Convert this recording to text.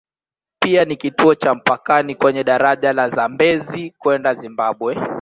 Pia ni kituo cha mpakani kwenye daraja la Zambezi kwenda Zimbabwe.